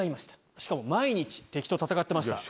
しかも毎日敵と戦ってました。